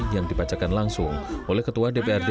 yang dibacakan langsung oleh ketua dprd